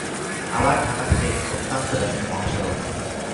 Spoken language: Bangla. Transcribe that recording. আবার ঢাকা সিলেট অত্যন্ত ব্যস্ত মহাসড়ক।